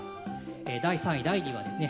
第３位第２位はですね